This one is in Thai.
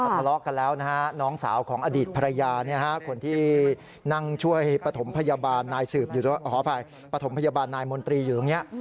ทะเลาะกันแล้วนะฮะน้องสาวของอดีตภรรยาเนี่ยฮะคนที่นั่งช่วยปฐมพยาบาลนายมนตรีอยู่ตรงเนี่ย